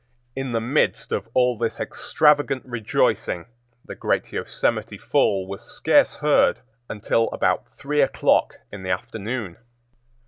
In the midst of all this extravagant rejoicing the great Yosemite Fall was scarce heard until about three o'clock in the afternoon.